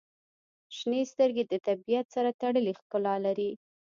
• شنې سترګې د طبیعت سره تړلې ښکلا لري.